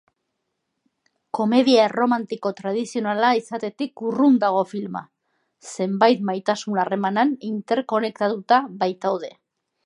Komedia erromantiko tradizionala izatetik urrun dago filma, zenbait maitasun harremanan interkonektatuta baitaude.